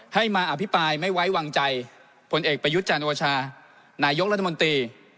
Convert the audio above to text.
ให้มาอภิปรายไม่ไว้วางใจผลเอกประยุทธ์จันโอชานายกรัฐมนตรี